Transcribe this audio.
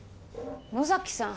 野崎さん